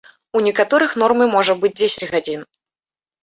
У некаторых нормай можа быць дзесяць гадзін.